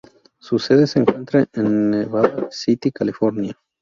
Su sede se encuentra en Nevada City, California.